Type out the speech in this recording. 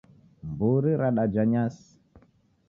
Mburi radaja nyasi